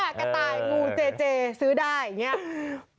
กระต่ายงูเจเจซื้อได้อย่างนี้